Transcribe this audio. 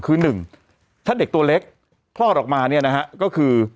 คือ๑ถ้าเด็กตัวเล็กคลอดออกมาก็คือ